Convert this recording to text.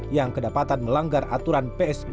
yang kedapatan melanggar atas kesehatan covid sembilan belas